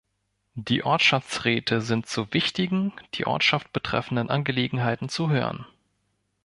Die Ortschaftsräte sind zu wichtigen, die Ortschaft betreffenden Angelegenheiten zu hören.